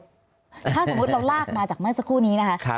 ถ้าสมมุติเราลากมาจากเมื่อสักครู่นี้นะคะ